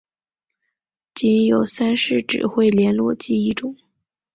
仅有三式指挥连络机一种。